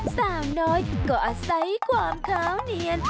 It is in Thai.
สาวน้อยก็อาศัยความขาวเนียน